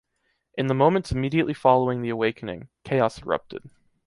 In the moments immediately following the awakening, chaos erupted.